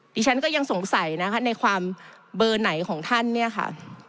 ดิฉันก็ยังสงสัยนะคะในความเบอร์ไหนของท่านเนี่ยค่ะ